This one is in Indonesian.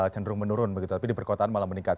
cenderung menurun begitu tapi di perkotaan malah meningkat